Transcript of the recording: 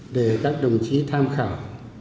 để các đồng chí tham khảo